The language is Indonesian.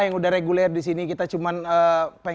samudut phpw lagi anan victoria si music metrok